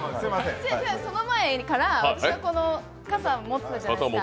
その前から私は傘を持ってたじゃないですか。